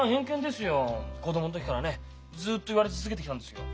子供の時からねずっと言われ続けてきたんですよ。